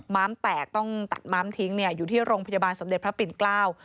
ม้ามแตกต้องตัดม้ามทิ้งเนี่ยอยู่ที่โรงพยาบาลสมเด็จพระปิ่นเกล้า